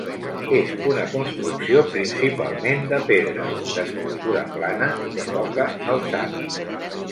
És una construcció principalment de pedra, d'estructura plana i de poca alçada.